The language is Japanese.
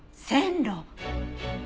線路。